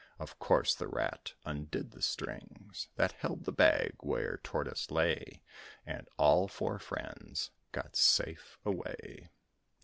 Of course the Rat undid the strings That held the bag where Tortoise lay, And all four friends got safe away!